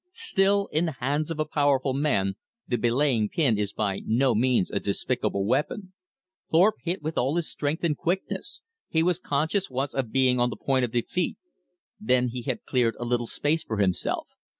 Still, in the hands of a powerful man, the belaying pin is by no means a despicable weapon. Thorpe hit with all his strength and quickness. He was conscious once of being on the point of defeat. Then he had cleared a little space for himself.